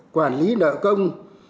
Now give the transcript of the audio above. quản lý nợ công